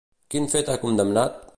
Quin fet ha condemnat?